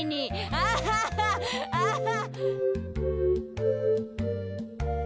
アハハアハ！